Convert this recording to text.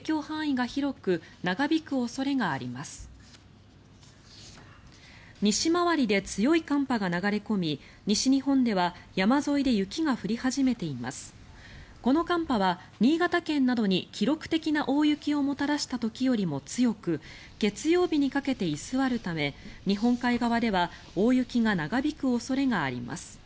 この寒波は新潟県などに記録的な大雪をもたらした時よりも強く月曜日にかけて居座るため日本海側では大雪が長引く恐れがあります。